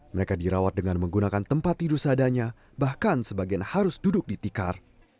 mereka dirawat dengan menggunakan tempat tidur seadanya bahkan sebagian harus duduk di tikar